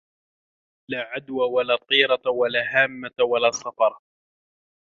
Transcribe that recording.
لَا عَدْوَى وَلَا طِيَرَةَ وَلَا هَامَةَ وَلَا صَفَرَ